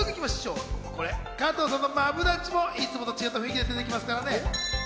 加藤さんのマブダチもいつもと違った雰囲気で登場しますからね。